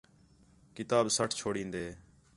کتاب سَٹ چُھڑین٘دے